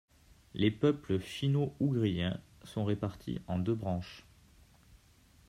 Les peuples finno-ougriens sont répartis en deux branches.